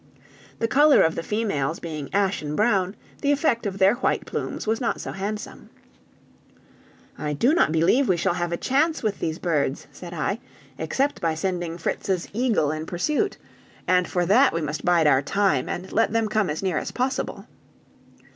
The color of the females being ashen brown, the effect of their white plumes was not so handsome. "I do not believe we shall have a chance with these birds," said I, "except by sending Fritz's eagle in pursuit; and for that we must bide our time, and let them come as near as possible."